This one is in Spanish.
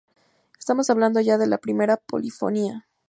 Estamos hablando ya de la primera polifonía.